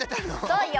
そうよ